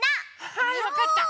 はいわかった！